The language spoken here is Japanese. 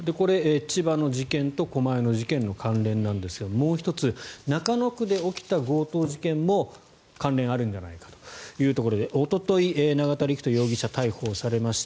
千葉の事件と狛江の事件の関連なのですがもう１つ、中野区で起きた強盗事件も関連があるんじゃないかということでおととい、永田陸人容疑者が逮捕されました。